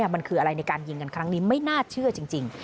มันคืออะไรในการยิงกันครั้งนี้ไม่น่าเชื่อจริง